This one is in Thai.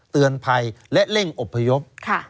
เตือนภัยและเร่งอบพยพ